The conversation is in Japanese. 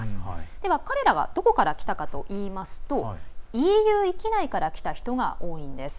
では、彼らがどこから来たかといいますとＥＵ域内から来た人が多いんです。